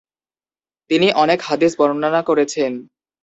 তিনি অনেক হাদিস বর্ণনা করেছেন।